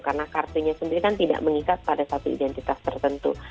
karena kartunya sendiri kan tidak mengikat pada satu identitas tertentu